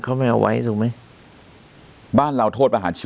เขาไม่เอาไว้ถูกมั้ย